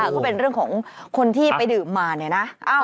ก็เป็นเรื่องของคนที่ไปดื่มมาเนี่ยนะ